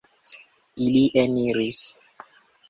Ili eniris.